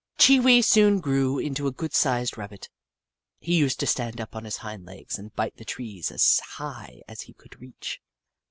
Chee Wee soon grew into a good sized Rab bit. He used to stand up on his hind legs and bite the trees as high as he could reach.